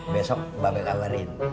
besok bapak kabarin